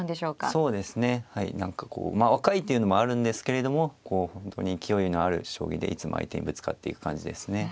そうですねはい何かこうまあ若いっていうのもあるんですけれども本当に勢いのある将棋でいつも相手にぶつかっていく感じですね。